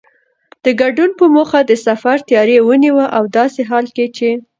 د ګډون په موخه د سفر تیاری ونیوه او داسې حال کې چې